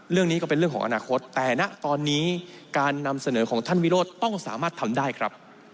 เรื่องนี้ก็เป็นเรื่องของอนาคตแต่ณตอนนี้การนำเสนอของท่านวิโรธต้องสามารถทำได้ครับ